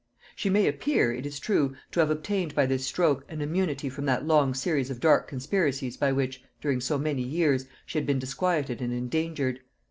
She may appear, it is true, to have obtained by this stroke an immunity from that long series of dark conspiracies by which, during so many years, she had been disquieted and endangered.